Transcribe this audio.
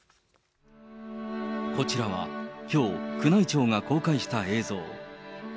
こちらはきょう、宮内庁が公開した映像。